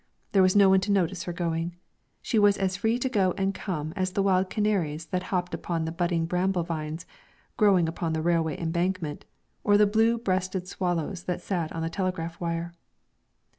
There was no one to notice her going; she was as free to go and come as the wild canaries that hopped upon the budding bramble vines growing upon the railway embankment, or the blue breasted swallows that sat on the telegraph wire.